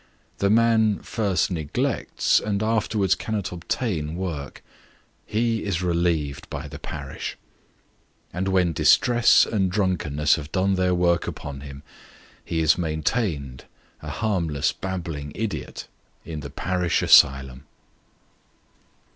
The man first neglects, and afterwards cannot obtain, work he is relieved by tho parish ; and when distress and drunkenness have done their work upon him, he is maintained, a harmless babbling idiot, in the parish asylum.